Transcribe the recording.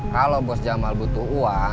kalau bos jamal butuh